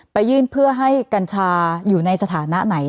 ไปยื่นเพื่อให้กัญชาอยู่ในสถานะไหน